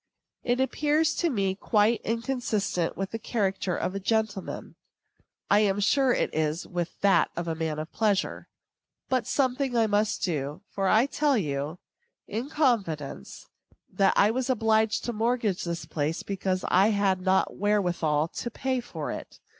It appears to me quite inconsistent with the character of a gentleman; I am sure it is with that of a man of pleasure. But something I must do; for I tell you, in confidence, that I was obliged to mortgage this place because I had not wherewithal to pay for it.